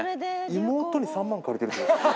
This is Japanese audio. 妹に３万借りている？